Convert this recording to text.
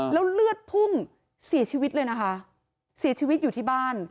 แล้วเลือดพุ่งเสียชีวิตเลยนะคะเสียชีวิตอยู่ที่บ้าน